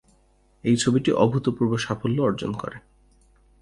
এই ছবিটি অভূতপূর্ব সাফল্য অর্জন করে।